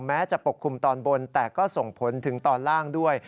แม้จะปกคลุมตอนบนแต่ก็ส่งผลถึงตอนล่างด้วย